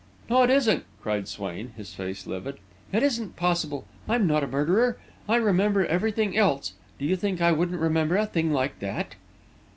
"No, it isn't!" cried Swain, his face livid. "It isn't possible! I'm not a murderer. I remember everything else do you think I wouldn't remember a thing like that!"